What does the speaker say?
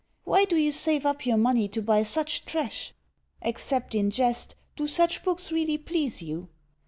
Why do you save up your money to buy such trash? Except in jest, do such books really please you?